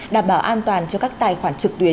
đảm bảo an toàn cho các tài khoản trực tuyến